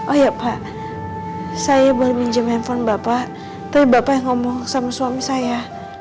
oh ya pak saya boleh minjem handphone bapak tapi bapak yang ngomong sama suami saya